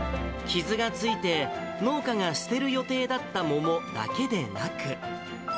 傷がついて、農家が捨てる予定だった桃だけでなく。